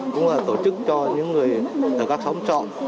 cũng là tổ chức cho những người ở các phòng trọ